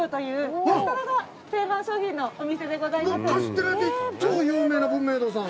カステラで超有名な文明堂さん？